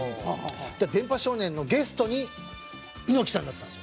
『電波少年』のゲストに猪木さんだったんですよ。